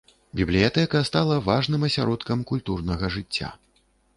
Бібліятэка стала важным асяродкам культурнага жыцця.